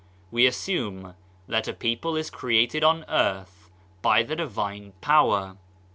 We assume that a people is created on earth by the divine Power.